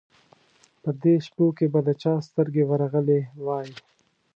په دې شپو کې به د چا سترګه ورغلې وای.